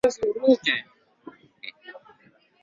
Ni mfumo wa chama kimoja kinachotawala siasa zote za nchi hiyo